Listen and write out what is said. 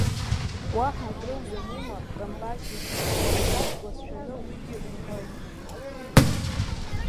Уаҳа акры узанума, камбашь егьи, ашәахтә уацәшәаны уигьы умҳәоу?